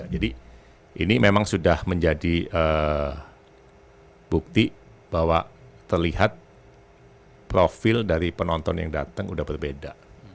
jadi ini memang sudah menjadi bukti bahwa terlihat profil dari penonton yang datang sudah berbeda